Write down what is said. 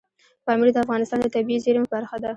پامیر د افغانستان د طبیعي زیرمو برخه ده.